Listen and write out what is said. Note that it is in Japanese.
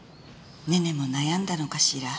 ねねも悩んだのかしら。